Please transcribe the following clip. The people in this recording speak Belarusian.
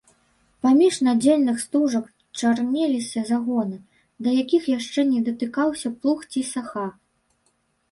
Паміж надзельных стужак чарнеліся загоны, да якіх яшчэ не датыкаўся плуг ці саха.